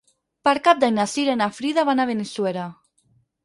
Per Cap d'Any na Cira i na Frida van a Benissuera.